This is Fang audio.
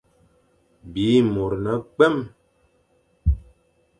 Bî môr ne-kwém.